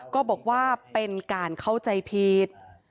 ก็บอกว่าเป็นการเข้าใจผิด